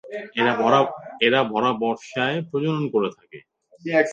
এরা ভরা বর্ষায় প্রজনন করে থাকে।